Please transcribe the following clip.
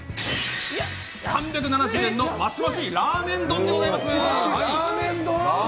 ３７０円のマシマシラーメン丼でございます。